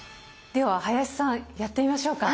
では林さんやってみましょうか。